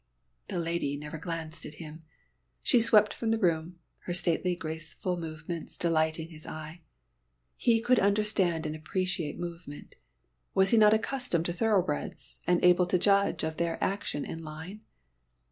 The lady never glanced at him. She swept from the room, her stately graceful movements delighting his eye. He could understand and appreciate movement was he not accustomed to thoroughbreds, and able to judge of their action and line?